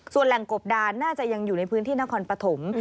ส่วนแหล่งกบดานน่าจะยังอยู่ในพื้นที่นครปฐม